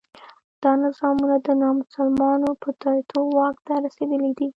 دا نظامونه د نامسلمانو په توطیو واک ته رسېدلي دي.